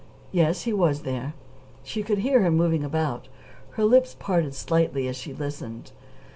Yes, he was there. She could hear him moving about. Her lips parted slightly as she listened.